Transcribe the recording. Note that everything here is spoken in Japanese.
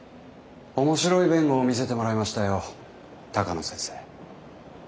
面白い弁護を見せてもらいましたよ鷹野先生。